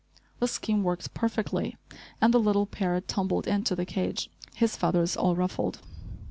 The scheme worked perfectly and the little parrot tumbled into the cage, his feathers all ruffled.